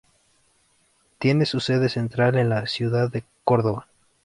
Tiene su sede central en la ciudad de Córdoba.